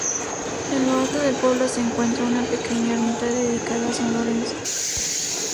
En lo alto del pueblo se encuentra una pequeña ermita dedicada a San Lorenzo.